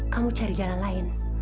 kamu cari jalan lain